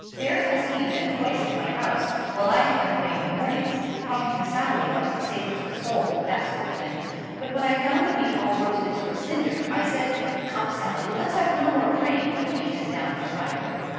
There has he been twice at my house, while I have been away in the mornings, talking to Sally about the state of her soul and that sort of thing. But when I found the meat all roasted to a cinder, I said, 'Come, Sally, let's have no more praying when beef is down at the fire.